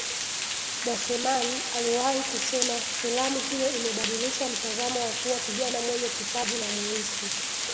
Boseman aliwahi kusema filamu hiyo imebadilisha mtazamo wa kuwa kijana mwenye kipaji na mweusi